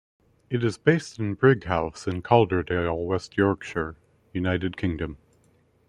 It is based in Brighouse, in Calderdale, West Yorkshire, United Kingdom.